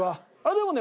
でもね